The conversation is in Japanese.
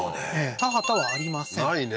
田畑はありません無いね